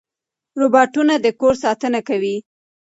روباټونه د کور ساتنه کوي.